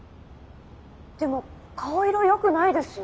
でも顔色良くないですよ。